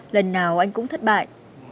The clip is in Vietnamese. lần nào anh cũng thất bại